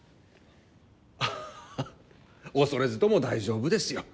ハハ恐れずとも大丈夫ですよ。